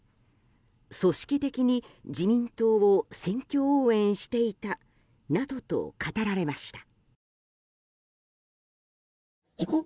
組織的に自民党を選挙応援していたなどと語られました。